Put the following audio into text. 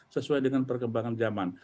sesuai dengan perkembangan zaman